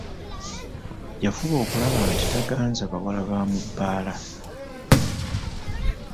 Yafuba okulaba nti taganza bawala ba mu bbaala.